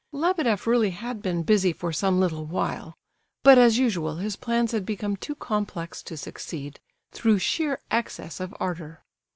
Lebedeff really had been busy for some little while; but, as usual, his plans had become too complex to succeed, through sheer excess of ardour.